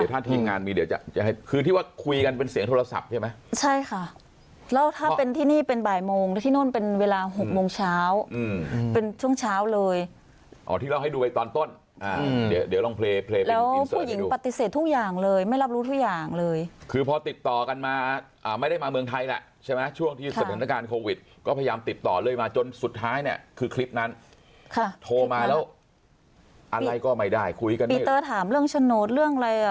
ยิ่งงานมีเดี๋ยวจะจะให้คือที่ว่าคุยกันเป็นเสียงโทรศัพท์ใช่ไหมใช่ค่ะแล้วถ้าเป็นที่นี่เป็นบ่ายโมงแล้วที่นั่นเป็นเวลาหกโมงเช้าอืมเป็นช่วงเช้าเลยอ๋อที่เราให้ดูไปตอนต้นอ่าเดี๋ยวเดี๋ยวลองเพลย์เพลย์แล้วผู้หญิงปฏิเสธทุกอย่างเลยไม่รับรู้ทุกอย่างเลยคือพอติดต่อกันมาอ่าไม่ได้มาเม